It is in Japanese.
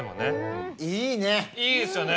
いいですよね。